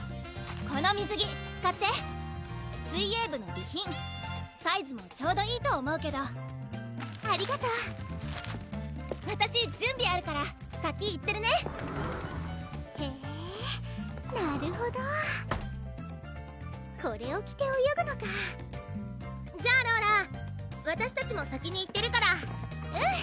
この水着使って水泳部の備品サイズもちょうどいいと思うけどありがとうわたし準備あるから先行ってるねへぇなるほどこれを着て泳ぐのかじゃあローラわたしたちも先に行ってるからうん！